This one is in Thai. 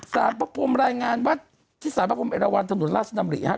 สาธิประพมรายงานวัตรที่สาธิประพมเอกรวรรณศนุนราชดำริฮะ